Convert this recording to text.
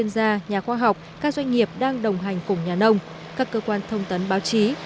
nhà khoa học các doanh nghiệp đang đồng hành cùng nhà nông các cơ quan thông tấn báo chí